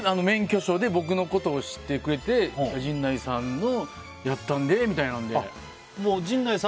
免許証で僕のことを知ってくれていて陣内さんのやったんでみたいに。